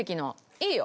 いいよ。